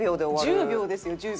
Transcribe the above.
１０秒ですよ１０秒。